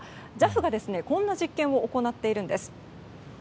ＪＡＦがこんな実験を行っているんです。